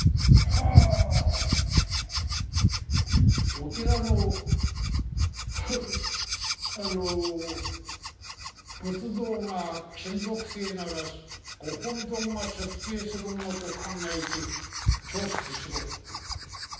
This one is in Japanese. お寺のハハッあの仏像が金属製ならご本尊が出征するものと考えて供出しろっていう。